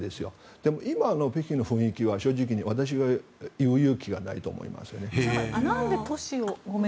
でも、今の北京の雰囲気は正直、私が言う勇気はないと思います。